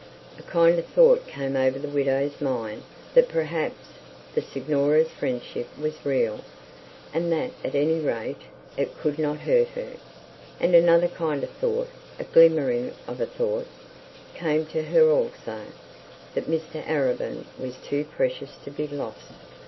A kind of thought came over the widow's mind that perhaps the signora's friendship was real; and that at any rate it could not hurt her; and another kind of thought, a glimmering of a thought, came to her also, that Mr Arabin was to precious to be lost.